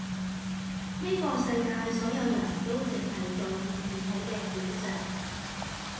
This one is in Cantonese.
呢個世界所有人都淨係在意美好嘅表象